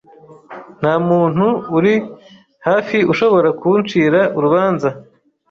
Ntamuntu uri hafiushobora kuncira urubanza